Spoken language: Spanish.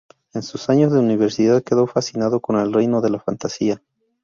En sus años de universidad quedó fascinado con el reino de la fantasía.